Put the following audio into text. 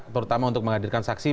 terutama untuk menghadirkan saksi